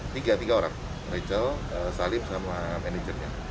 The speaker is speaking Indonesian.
tiga tiga orang rachel salim sama manajernya